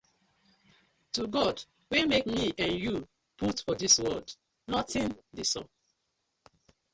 To God wey mak mi and you put for dis world, notin dey sup.